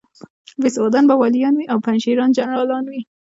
بېسوادان به والیان وي او پنجشیریان جنرالان وي.